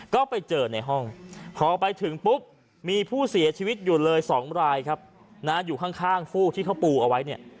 ก็ไปเจอในห้องพอไปถึงปุ๊บมีผู้เสียชีวิตอยู่เลย๒รายครับนะอยู่ข้างฟูกที่เขาปูเอาไว้เนี่ย